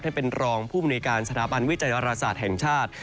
เป็นรองภูมิในการสถาบันวิจัยอาราศาสตร์แห่งชาติ